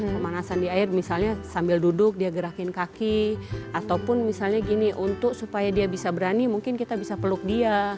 pemanasan di air misalnya sambil duduk dia gerakin kaki ataupun misalnya gini untuk supaya dia bisa berani mungkin kita bisa peluk dia